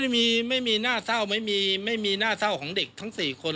ไม่มีน่าเศร้าไม่มีหน้าเศร้าของเด็กทั้ง๔คน